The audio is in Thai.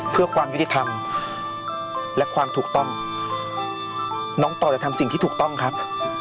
เพื่อความยุติธรรมและความถูกต้องน้องต่อจะทำสิ่งที่ถูกต้องครับ